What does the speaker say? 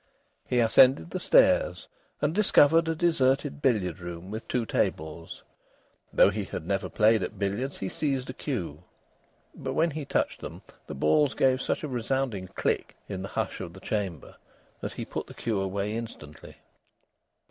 He ascended the stairs and discovered a deserted billiard room with two tables. Though he had never played at billiards, he seized a cue, but when he touched them the balls gave such a resounding click in the hush of the chamber that he put the cue away instantly.